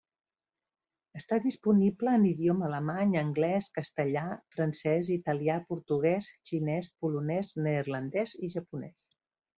Està disponible en idioma alemany, anglès, castellà, francès, italià, portuguès, xinès, polonès, neerlandès i japonès.